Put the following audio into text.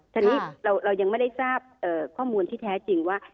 ทีนี้เรายังไม่ได้ทราบข้อมูลที่แท้จริงว่า